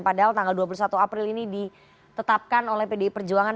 padahal tanggal dua puluh satu april ini ditetapkan oleh pdi perjuangan